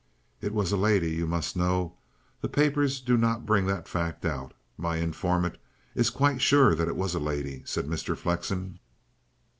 "It was a lady, you must know. The papers do not bring that fact out. My informant is quite sure that it was a lady," said Mr. Flexen.